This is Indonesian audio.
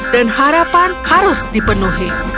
dan harapan harus dipenuhi